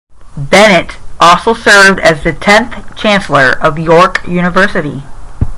Bennett also served as the tenth Chancellor of York University.